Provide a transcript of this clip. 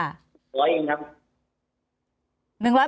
๑๐๐บาทครับ